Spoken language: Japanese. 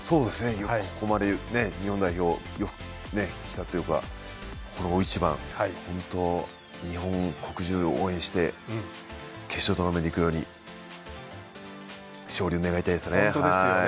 ここまで日本代表よくきたというかこの大一番、本当に日本国中応援して決勝トーナメントいくように勝利を願いたいですね。